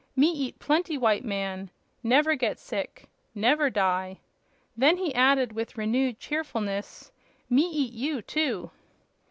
Me eat plenty white man. Never get sick; never die." Then he added, with renewed cheerfulness: "Me eat you, too!"